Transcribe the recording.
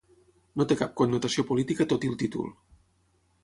No té cap connotació política tot i el títol.